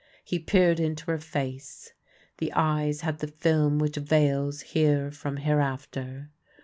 He peered into her face. The eyes had the film which veils Here from Hereafter.